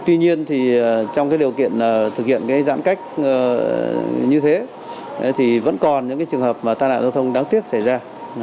tuy nhiên thì trong điều kiện thực hiện giãn cách như thế thì vẫn còn những trường hợp mà tai nạn giao thông đáng tiếc xảy ra